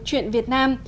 chuyện việt nam